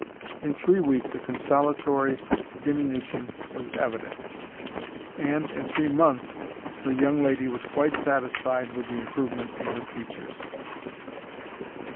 In three weeks a consolatory diminution was evident, and in three months the young lady was quite satisfied with the improvement in her features.